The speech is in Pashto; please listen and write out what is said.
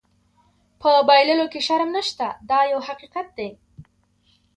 په بایللو کې شرم نشته دا یو حقیقت دی.